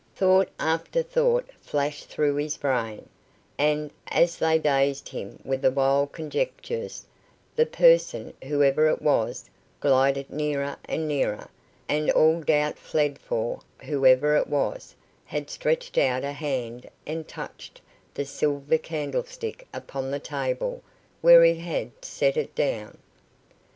Thought after thought flashed through his brain, and, as they dazed him with the wild conjectures, the person, whoever it was, glided nearer and nearer, and all doubt fled, for, whoever it was, had stretched out a hand and touched the silver candlestick upon the table where he had set it down.